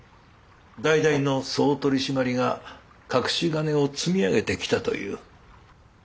代々の総取締が隠し金を積み上げてきたという。